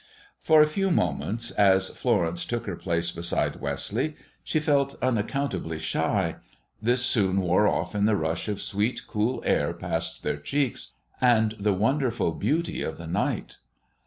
For a few moments, as Florence took her place beside Wesley, she felt unaccountably shy; this soon wore off in the rush of sweet, cool air past their cheeks and the wonderful beauty of the night.